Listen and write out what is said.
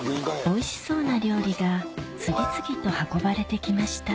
おいしそうな料理が次々と運ばれて来ました